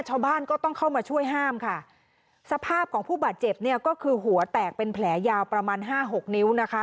ชาวบ้านก็ต้องเข้ามาช่วยห้ามค่ะสภาพของผู้บาดเจ็บเนี่ยก็คือหัวแตกเป็นแผลยาวประมาณห้าหกนิ้วนะคะ